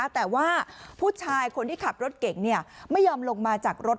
แต่ว่าผู้ชายคนที่ขับรถเก่งไม่ยอมลงมาจากรถ